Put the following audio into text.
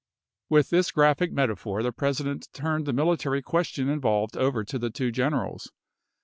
With this graphic Junes^ses. metaphor the President turned the military question Xxvii., involved over to the two generals.